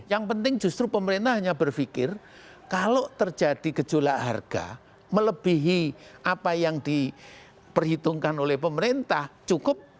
jadi baru pemerintah hanya berpikir kalau terjadi gejolak harga melebihi apa yang diperhitungkan oleh pemerintah cukup